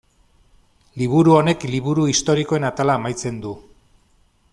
Liburu honek Liburu historikoen atala amaitzen du.